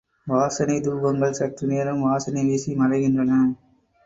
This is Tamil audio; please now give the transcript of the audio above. வாசனைத்துாபங்கள் சற்று நேரம் வாசனை வீசி மறைகின்றன.